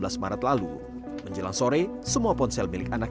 sebelumnya mbak ayu pamit kemana pak